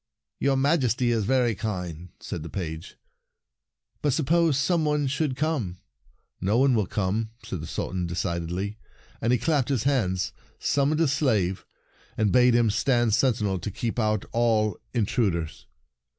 " Your Majesty is very kind," said the page. " But suppose some one should come?" " No one will come," said the Sultan decidedly, and he clapped his hands, summoned a slave, and bade him stand sentinel to keep out all intrud ers.